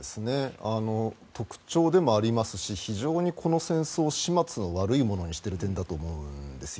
特徴でもありますし非常にこの戦争を始末の悪いものにしている点だと思うんですよ。